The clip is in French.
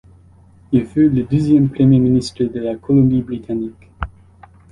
Il fut le deuxième premier ministre de la Colombie-Britannique.